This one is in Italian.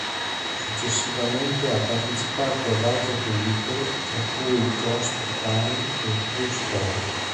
Successivamente ha partecipato ad altre pellicole, tra cui "Ghost Town" e "True Story".